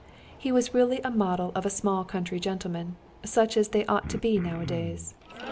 He was really a model of a "small country gentleman," such as they ought to be nowadays.